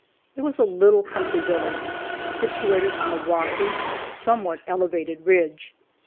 It was a little country village, situated on a rocky, somewhat elevated ridge.